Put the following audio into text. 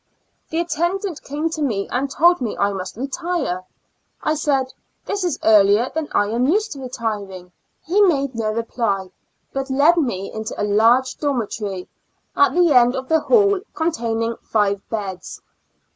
The attendant came to me and told me I must retire. I said, " this is earlier than I am used to retiring.'' He made no reply, but led me into a large dormitory, at the end of the hall, containing five beds.